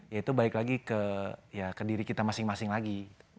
yaitu balik lagi ke diri kita masing masing lagi